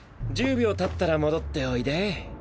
１０秒たったら戻っておいで。